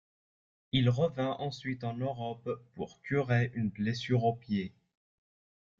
Il revint ensuite en Europe pour curer une blessure au pied.